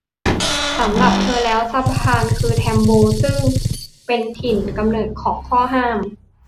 สำหรับเธอแล้วสะพานคือแทมโบซึ่งเป็นถิ่นกำเนิดของข้อห้าม